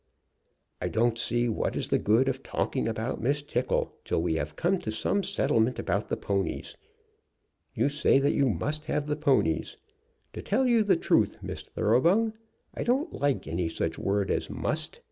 "I don't see what is the good of talking about Miss Tickle till we have come to some settlement about the ponies. You say that you must have the ponies. To tell you the truth, Miss Thoroughbung, I don't like any such word as 'must.'